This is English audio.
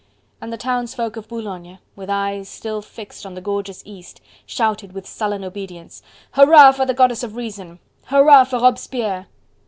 And the townsfolk of Boulogne, with eyes still fixed on the gorgeous East, shouted with sullen obedience: "Hurrah! for the Goddess of Reason!" "Hurrah for Robespierre!"